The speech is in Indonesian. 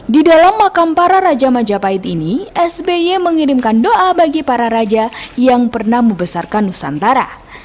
di dalam makam para raja majapahit ini sby mengirimkan doa bagi para raja yang pernah membesarkan nusantara